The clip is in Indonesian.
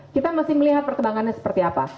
kita masih melihat perkembangannya seperti apa